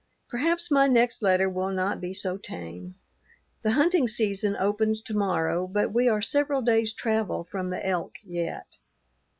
Perhaps my next letter will not be so tame. The hunting season opens to morrow, but we are several days' travel from the elk yet.